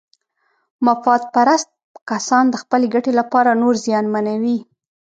مفاد پرست کسان د خپلې ګټې لپاره نور زیانمنوي.